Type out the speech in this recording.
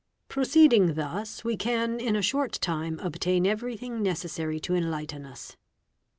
'............ i Proceeding thus we can in a short time obtain everything necessar to enlighten us.